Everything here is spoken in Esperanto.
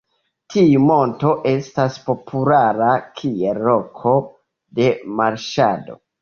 Tiu monto estas populara kiel loko de marŝado.